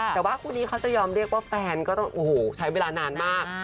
แต่ว่าคู่นี้เขาจะยอมเรียกว่าแฟนก็ต้องโอ้โหใช้เวลานานมาก